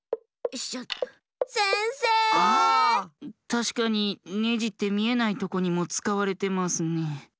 たしかにネジってみえないとこにもつかわれてますね。